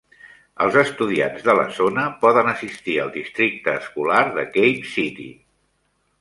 Els estudiants de la zona poden assistir al districte escolar de Cave City.